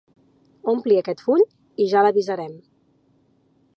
Ompli aquest full i ja l'avisarem.